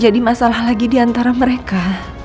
jadi masalah lagi diantara mereka